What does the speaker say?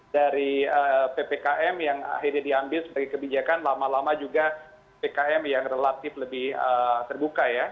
dari ppkm yang akhirnya diambil sebagai kebijakan lama lama juga pkm yang relatif lebih terbuka ya